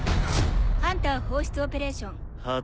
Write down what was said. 「ハンター放出オペレーション」「発動」